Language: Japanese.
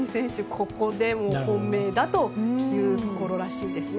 ここでも本命だというところらしいですね。